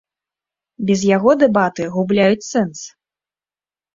Без яго дэбаты губляюць сэнс!